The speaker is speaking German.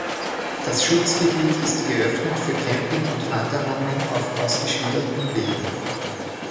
Das Schutzgebiet ist geöffnet für Camping und Wanderungen auf ausgeschilderten Wegen.